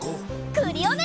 クリオネ！